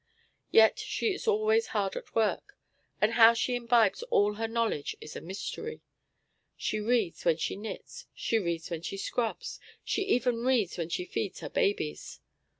Yet she is always hard at work; and how she imbibes all her knowledge is a mystery. She reads when she knits, she reads when she scrubs, she even reads when she feeds her babies.